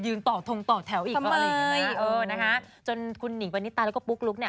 ยืนต่อทงต่อแถวอีกแล้วอะไรอย่างนี้นะคะจนคุณหนิงปานิตาแล้วก็ปุ๊กลุ๊ก